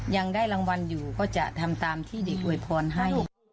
ยังได้รางวัลอยู่ก็จะทำตามที่เด็กอวยพรให้